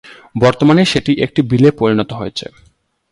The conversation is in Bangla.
বর্তমান সেটি একটা বিলে পরিনত হয়েছে।